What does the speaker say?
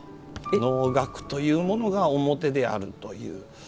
「能楽」というものが面であるという。